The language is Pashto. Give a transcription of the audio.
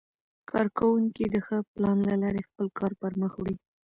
کارکوونکي د ښه پلان له لارې خپل کار پرمخ وړي